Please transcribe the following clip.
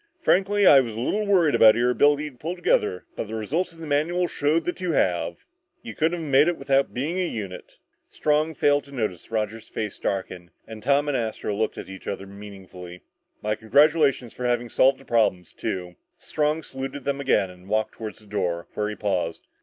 "Frankly, I was a little worried about your ability to pull together but the results of the manuals showed that you have. You couldn't have made it without working as a unit." Strong failed to notice Roger's face darken, and Tom and Astro look at each other meaningfully. "My congratulations for having solved that problem too!" Strong saluted them again and walked toward the door, where he paused.